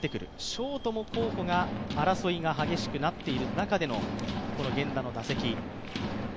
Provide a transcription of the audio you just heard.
ショートの候補も争いが激しくなっている中での源田の打席。